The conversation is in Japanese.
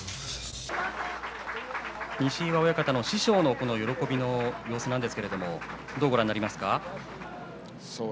西岩親方師匠の喜びの様子なんですけれどもどうご覧になりますか。